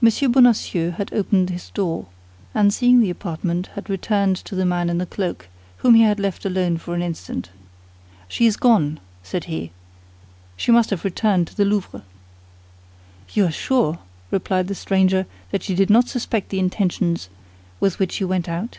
M. Bonacieux had opened his door, and seeing the apartment, had returned to the man in the cloak, whom he had left alone for an instant. "She is gone," said he; "she must have returned to the Louvre." "You are sure," replied the stranger, "that she did not suspect the intentions with which you went out?"